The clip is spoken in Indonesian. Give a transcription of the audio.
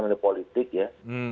melalui politik ya